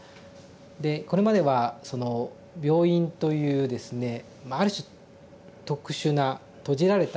でこれまではその病院というですねある種特殊な閉じられた場所